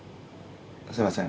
すいません